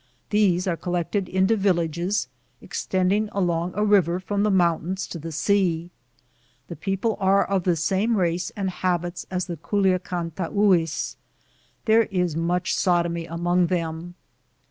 These are collected into villages, extending along a river from the mountains to the sea. The people are of the same race and habits as the Culuacanian Tahues. There is much sodomy among them.